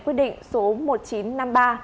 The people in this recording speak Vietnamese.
quyết định số một nghìn chín trăm năm mươi ba